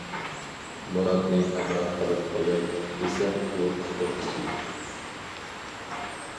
مۇراتنى ھەمراھ قىلىپ قوياي دېسەم ئۇ تېخى كىچىك.